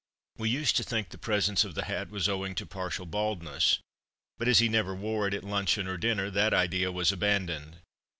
We used to think the presence of the hat was owing to partial baldness; but, as he never wore it at luncheon or dinner, that idea was abandoned.